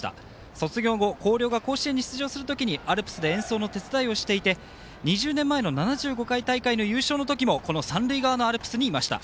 卒業後、広陵が甲子園に出場するときにアルプスで演奏の手伝いをしていて２０年前の７５回大会のときもこの三塁側のアルプスにいました。